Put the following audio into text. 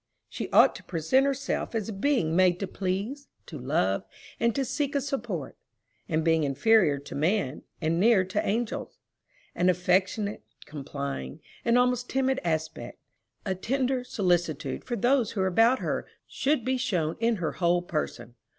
She ought to present herself as a being made to please, to love, and to seek a support; a being inferior to man, and near to angels. An affectionate, complying, and almost timid aspect, a tender solicitude for those who are about her, should be shown in her whole person.